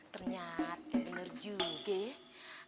ternyata bener juga ya